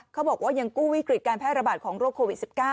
เขาบอกว่ายังกู้วิกฤตการแพร่ระบาดของโรคโควิด๑๙